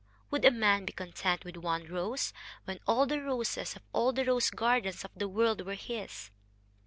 Would a man be content with one rose, when all the roses of all the rose gardens of the world were his?..."